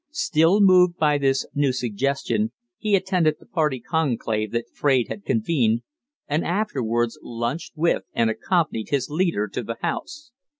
Still moved by this new suggestion, he attended the party conclave that Fraide had convened, and afterwards lunched with and accompanied his leader to the House.